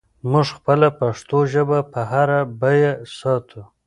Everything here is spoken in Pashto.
موږ خپله پښتو ژبه په هره بیه ساتو.